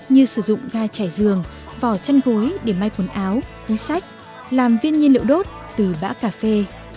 như sử dụng ga chải giường vỏ chăn gối để mai quần áo túi sách làm viên nhiên liệu đốt từ bã cà phê